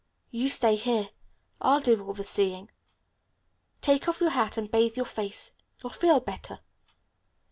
"You stay here. I'll do all the seeing. Take off your hat and bathe your face. You'll feel better."